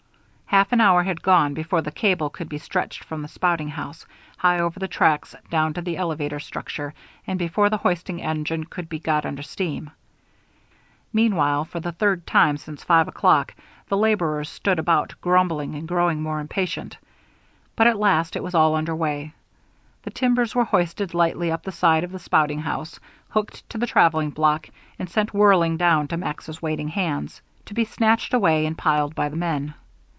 Half an hour had gone before the cable could be stretched from the spouting house, high over the tracks, down to the elevator structure, and before the hoisting engine could be got under steam. Meanwhile, for the third time since five o'clock, the laborers stood about, grumbling and growing more impatient. But at last it was all under way. The timbers were hoisted lightly up the side of the spouting house, hooked to the travelling block, and sent whirling down to Max's waiting hands, to be snatched away and piled by the men.